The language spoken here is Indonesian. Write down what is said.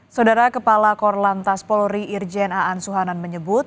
saudara kepala korlantas polri irjen aan suhanan menyebut